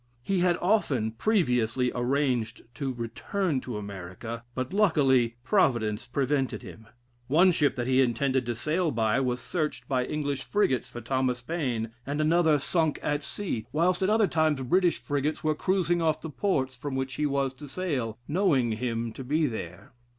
He had often previously arranged to return to America, but luckily, Providence prevented him. One ship that he intended to sail by, was searched by English frigates for Thomas Paine, and another sunk at sea, whilst at other times British frigates were cruising off the ports from which he was to sail, knowing him to be there.